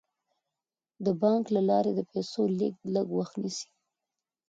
د بانک له لارې د پيسو لیږد لږ وخت نیسي.